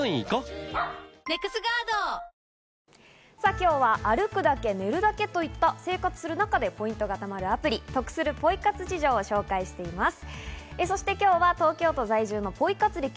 今日は歩くだけ、寝るだけといった生活する中でポイントが貯まるプリ、得するポイ活事情を紹介しています。